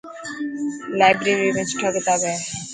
لائبريري ۾ سٺا ڪتاب هي.